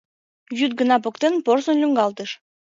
Вӱд гына поктен порсын лӱҥгалтыш —